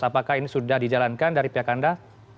apakah ini sudah dijalankan dari pihak anda